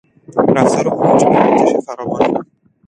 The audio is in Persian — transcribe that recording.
رفتار او موجب رنجش فراوان شد.